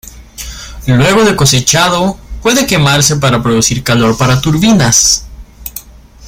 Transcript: Luego de cosechado, puede quemarse para producir calor para turbinas.